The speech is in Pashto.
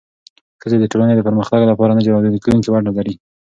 ښځې د ټولنې د پرمختګ لپاره نه جلا کېدونکې ونډه لري.